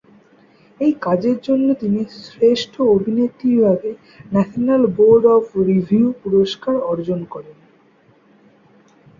এই কাজের জন্য তিনি শ্রেষ্ঠ অভিনেত্রী বিভাগে ন্যাশনাল বোর্ড অব রিভিউ পুরস্কার অর্জন করেন।